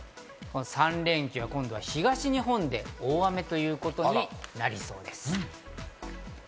３連休は今度は東日本で大雨ということになりそうです。